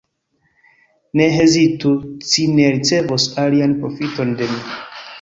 Ne hezitu, ci ne ricevos alian profiton de mi!